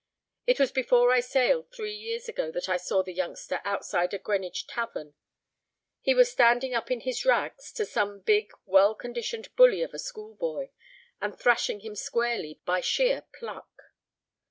It was before I sailed three years ago that I saw the youngster outside a Greenwich tavern. He was standing up in his rags to some big, well conditioned bully of a school boy, and thrashing him squarely by sheer pluck."